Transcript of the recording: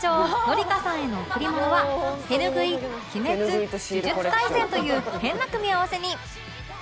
紀香さんへの贈り物は手ぬぐい『鬼滅』『呪術廻戦』という変な組み合わせに